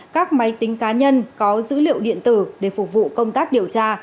các máy tính cá nhân có dữ liệu điện tử để phục vụ công tác điều tra